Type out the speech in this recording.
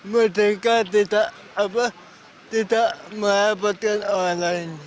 merdeka tidak merepotkan orang lain